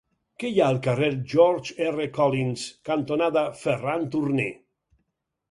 Què hi ha al carrer George R. Collins cantonada Ferran Turné?